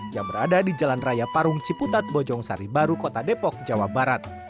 yang berada di jalan raya parung ciputat bojong sari baru kota depok jawa barat